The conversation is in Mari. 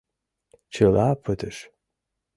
Чыла пытыш!